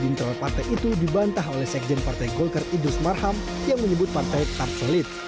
introl partai itu dibantah oleh sekjen partai golkar idus marham yang menyebut partai tak sulit